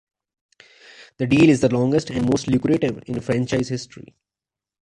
The deal is the longest and most lucrative in franchise history.